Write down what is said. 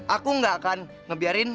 aku gak akan ngebiarin